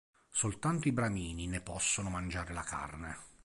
Soltanto i bramini ne possono mangiare la carne.